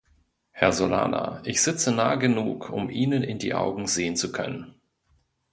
Herr Solana, ich sitze nah genug, um Ihnen in die Augen sehen zu können.